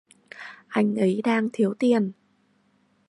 anh ấy đang thiếu tiền